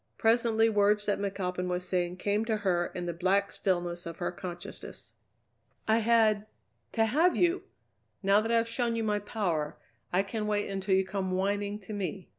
Presently words that McAlpin was saying came to her in the black stillness of her consciousness. "I had to have you! Now that I've shown you my power, I can wait until you come whining to me.